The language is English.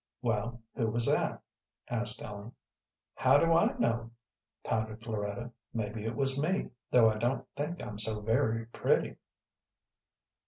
"Well, who was that?" asked Ellen. "How do I know?" pouted Floretta. "Mebbe it was me, though I don't think I'm so very pretty."